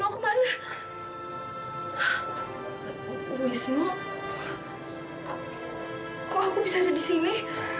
kok aku bisa ada di sini